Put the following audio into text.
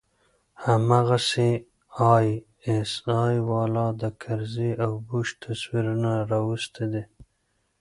هماغسې آى اس آى والا د کرزي او بوش تصويرونه راوستي دي.